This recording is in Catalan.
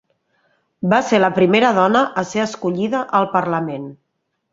Va ser la primera dona a ser escollida al parlament.